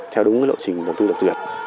theo đúng lộ trình đầu tư lập truyền